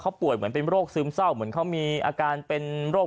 เขาป่วยเหมือนเป็นโรคซึมเศร้าเหมือนเขามีอาการเป็นโรค